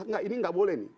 enggak ini gak boleh nih